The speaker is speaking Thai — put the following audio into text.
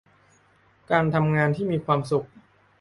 การทำงานที่มีความสุข